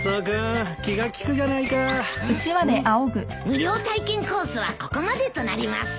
無料体験コースはここまでとなります。